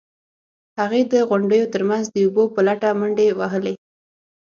هغې د غونډیو ترمنځ د اوبو په لټه منډې وهلې.